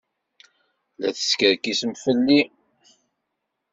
La teskerkisem fell-i.